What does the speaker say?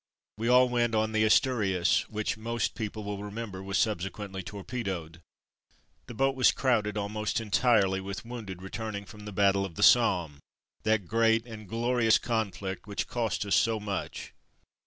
We all went on the Asturias^ which most people will remember was subsequently torpedoed. The boat was crowded, almost entirely with wounded returning from the battle of the Return to London 139 Somme, that great and glorious conflict which cost us so much.